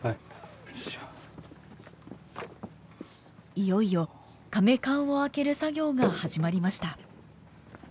いよいよかめ棺を開ける作業が始まりました。